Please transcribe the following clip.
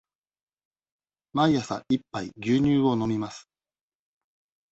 毎朝一杯牛乳を飲みます。